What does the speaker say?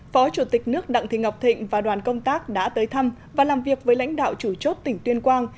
phó chủ tịch nước đặng thị ngọc thịnh và đoàn công tác đã tới thăm và làm việc với lãnh đạo chủ chốt tỉnh tuyên quang